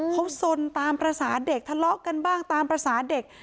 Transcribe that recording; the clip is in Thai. เขาสนตามภาษาเด็กทะเลาะกันบ้างตามภาษาเด็ก